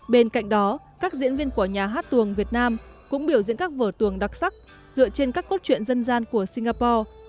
bên cạnh đó các diễn viên của nhà hát tuồng việt nam cũng biểu diễn các vở tuồng đặc sắc dựa trên các cốt truyện dân gian của singapore